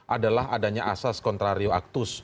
adalah adanya asas contrario actus